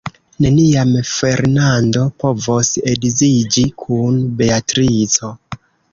Neniam Fernando povos edziĝi kun Beatrico.